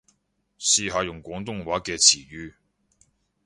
試下用廣東話嘅詞語